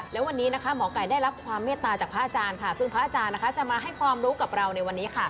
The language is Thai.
แล้ววันนี้นะคะหมอไก่ได้รับความเมตตาจากพระอาจารย์ค่ะซึ่งพระอาจารย์จะมาให้ความรู้กับเราในวันนี้ค่ะ